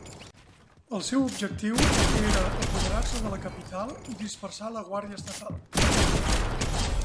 El seu objectiu era apoderar-se de la capital i dispersar la Guàrdia Estatal.